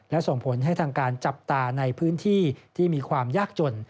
และส่งผลให้ทางการจับตาในพื้นที่ที่มีความยากจน